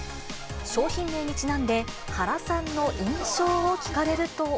商品名にちなんで、原さんの印象を聞かれると。